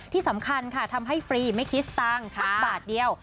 ที่สำคัญค่ะทำให้ฟรีไม่คิดสตางค์สักบาทเดียว